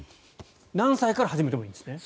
何歳から始めてもいいんですね。